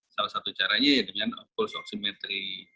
salah satu caranya dengan pulse oksimetri